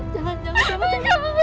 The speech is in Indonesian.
jangan jangan jangan